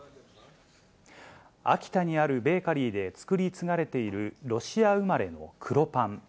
秋田にあるベーカリーで作り継がれているロシア生まれの黒パン。